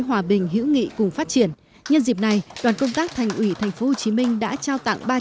hòa bình hữu nghị cùng phát triển nhân dịp này đoàn công tác thành ủy tp hcm đã trao tặng